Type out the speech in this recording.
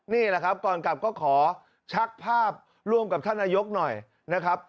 นี่แหละครับก่อนกลับก็ขอชักภาพร่วมกับท่านนายกหน่อยนะครับ